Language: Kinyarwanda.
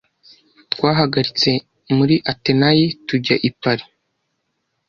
Twahagaritse muri Atenayi tujya i Paris.